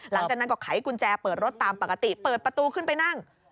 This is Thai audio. หลังจากนั้นก็ไขกุญแจเปิดรถตามปกติเปิดประตูขึ้นไปนั่ง